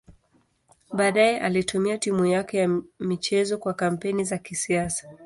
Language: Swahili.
Baadaye alitumia timu yake ya michezo kwa kampeni za kisiasa.